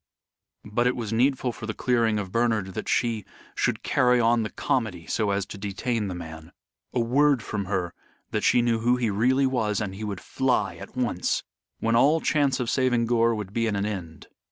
But it was needful for the clearing of Bernard that she should carry on the comedy so as to detain the man. A word from her, that she knew who he really was, and he would fly at once when all chance of saving Gore would be at an end.